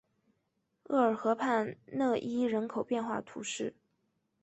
厄尔河畔讷伊人口变化图示